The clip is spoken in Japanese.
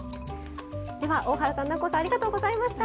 では大原さん南光さんありがとうございました。